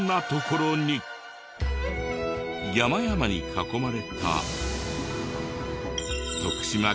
山々に囲まれた。